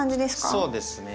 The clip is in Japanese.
そうですね。